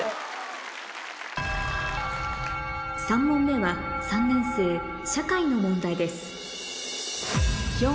３問目は３年生社会の問題です